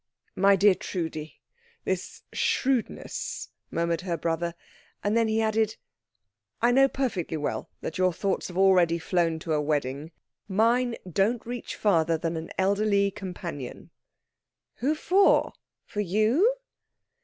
"My dear Trudi, this shrewdness " murmured her brother. Then he added, "I know perfectly well that your thoughts have already flown to a wedding. Mine don't reach farther than an elderly companion." "Who for? For you?"